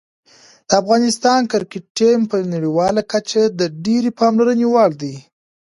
د افغانستان کرکټ ټیم په نړیواله کچه د ډېرې پاملرنې وړ دی.